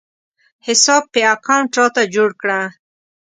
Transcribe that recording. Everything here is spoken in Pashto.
حساب پې اکاونټ راته جوړ کړه